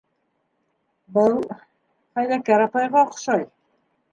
Был... хәйләкәр апайға оҡшай.